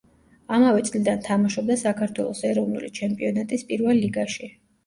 ამავე წლიდან თამაშობდა საქართველოს ეროვნული ჩემპიონატის პირველ ლიგაში.